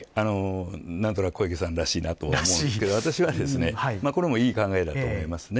何となく、小池さんらしいなと思うんですけど私はこれもいい考えだと思います。